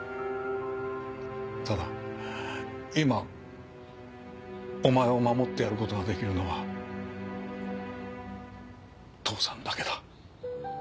ただ今お前を守ってやることができるのは父さんだけだ。